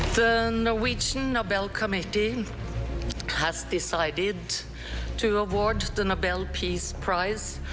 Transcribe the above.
เพื่อขอร้องเวลาสันติภาพของประหลาดความประหลาด